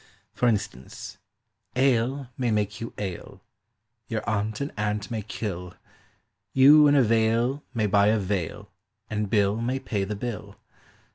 For instance, ale may make you ail, your aunt an ant may kill, You in a vale may buy a veil and Bill may pay the bill.